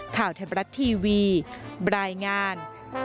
ข่าวไทยบรัฐทีวีบรายงาน